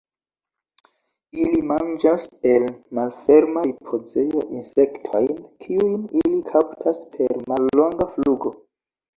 Ili manĝas el malferma ripozejo insektojn kiujn ili kaptas per mallonga flugo.